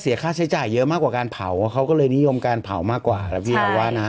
ค่าใช้จ่ายเยอะมากกว่าการเผาเขาก็เลยนิยมการเผามากกว่าแล้วพี่เราว่านะ